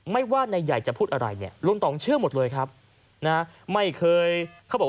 ไม่ว่านายใหญ่จะพูดอะไรลุงตองเชื่อหมดเลยครับ